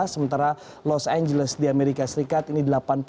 sementara los angeles di amerika serikat ini delapan puluh tujuh